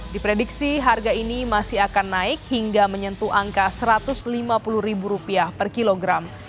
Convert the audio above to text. diprediksi harga ini masih akan naik hingga menyentuh angka rp satu ratus lima puluh per kilogram